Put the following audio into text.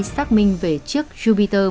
xác minh về chiếc jupiter